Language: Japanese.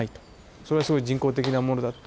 それはすごい人工的なものだって。